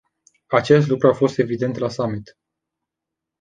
Acest lucru a fost evident la summit.